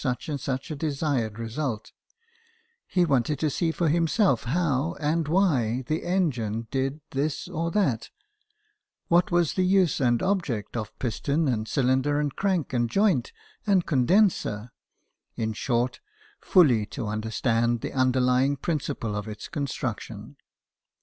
such and such a desired result : he wanted to see for himself how and why the engine did this or that, what was the use and object of piston and cylinder and crank and joint and condenser in short, fully to understand the underlying principle of its construction.